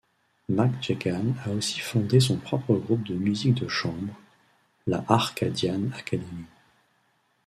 McGegan a aussi fondé son propre groupe de musique de chambre, la Arcadian Academy.